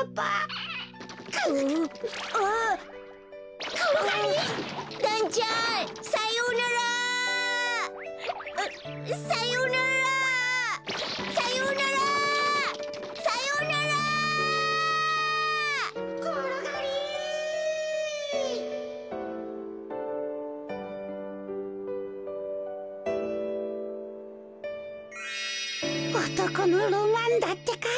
おとこのロマンだってか。